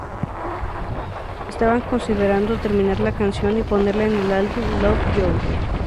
Estaban considerando terminar la canción y ponerla en el álbum "Love You".